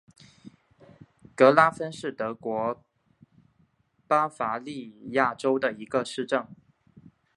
格拉芬是德国巴伐利亚州的一个市镇。